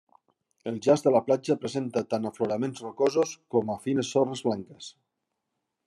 El jaç de la platja presenta tant afloraments rocosos com a fines sorres blanques.